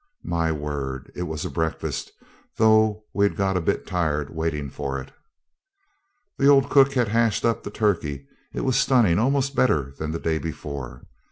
My word! it was a breakfast, though we'd got a bit tired waiting for it. The old cook had hashed up the turkey; it was stunning, almost better than the day before.